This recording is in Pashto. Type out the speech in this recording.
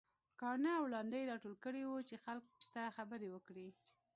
کاڼه او ړانده يې راټول کړي وو چې خلک ته خبرې وکړي.